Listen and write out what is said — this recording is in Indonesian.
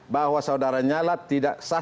bahwa saudara nyala tidak sah